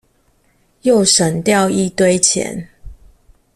又省掉一堆錢